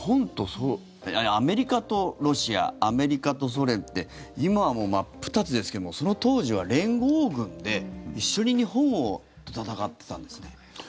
アメリカとロシアアメリカとソ連って今はもう真っ二つですけれどもその当時は連合軍で一緒に日本と戦っていたんですね。